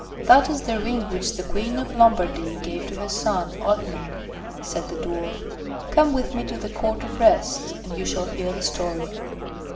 "That is the ring which the Queen of Lombardy gave to her son, Otnit," said the Dwarf. "Come with me to the Court of Rest, and you shall hear the story."